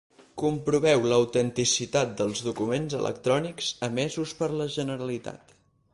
Comproveu l'autenticitat dels documents electrònics emesos per la Generalitat.